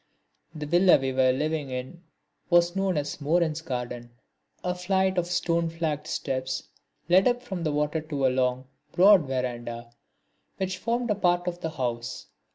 The villa we were living in was known as 'Moran's Garden'. A flight of stone flagged steps led up from the water to a long, broad verandah which formed part of the house.